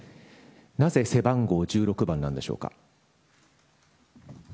なぜ背番号１６番なんでしょうか。